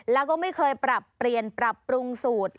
แล้วก็ไม่เคยปรับเปลี่ยนปรับปรุงสูตร